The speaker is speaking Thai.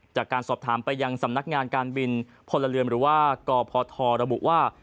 จากการสอบถามไปยังสำนักงานการบินพลเรือนหรือว่ากพทระบุว่า